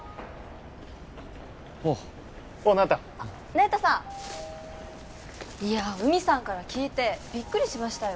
おうおう那由他那由他さんいや海さんから聞いてびっくりしましたよ